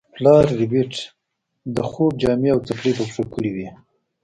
پلار ربیټ د خوب جامې او څپلۍ په پښو کړې وې